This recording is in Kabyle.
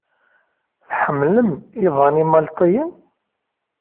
Tḥemmlem iḍan imalṭiyen?